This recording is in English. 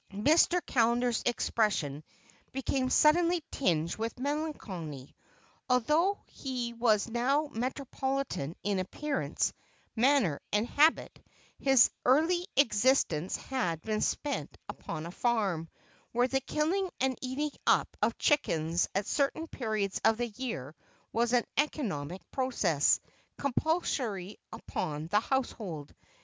Mr. Callender's expression became suddenly tinged with melancholy. Although he was now metropolitan in appearance, manner, and habit, his early existence had been spent upon a farm, where the killing and eating up of chickens at certain periods of the year was an economic process, compulsory upon the household.